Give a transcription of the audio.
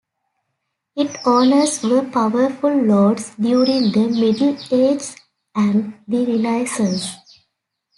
Its owners were powerful lords during the Middle Ages and the Renaissance.